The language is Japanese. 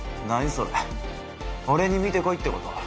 それ俺に見て来いってこと？